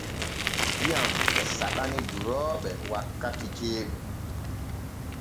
Diyam e saɗani durooɓe wakkati ceeɗu.